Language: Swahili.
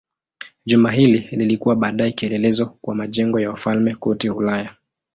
Jumba hili lilikuwa baadaye kielelezo kwa majengo ya wafalme kote Ulaya.